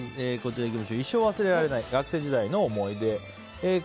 一生忘れられない学生時代の思い出。